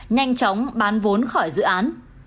nhanh chóng bán vốn khỏi dự án